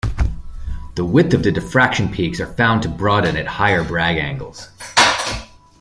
The width of the diffraction peaks are found to broaden at higher Bragg angles.